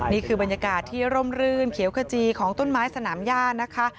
นี่คือบรรยากาศที่ร่มรื่นเขียวขจีของต้นไม้สนามย่านะคะ